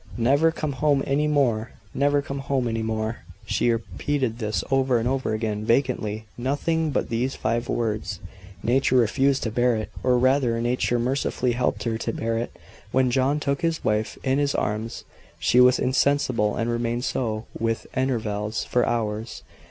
"Never come home any more! Never come home any more!" She repeated this over and over again, vacantly: nothing but these five words. Nature refused to bear it; or rather, Nature mercifully helped her to bear it. When John took his wife in his arms she was insensible; and remained so, with intervals, for hours.